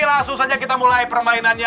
langsung saja kita mulai permainannya